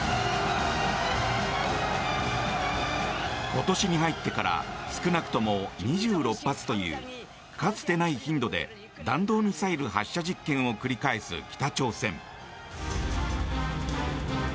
今年に入ってから少なくとも２６発というかつてない頻度で弾道ミサイル発射実験を繰り返す北朝鮮。